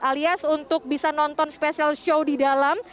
alias untuk bisa nonton special show di dalam